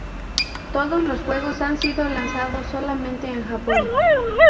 Todos los juegos han sido lanzados solamente en Japón.